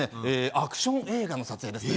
アクション映画の撮影ですね